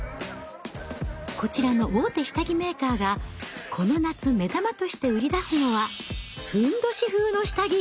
こちらの大手下着メーカーがこの夏目玉として売り出すのは褌風の下着。